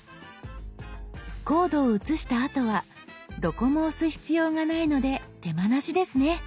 コードを写したあとはどこも押す必要がないので手間なしですね。